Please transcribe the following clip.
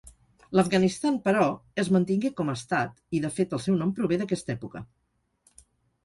L'Afganistan, però, es mantingué com Estat i, de fet, el seu nom prové d'aquesta època.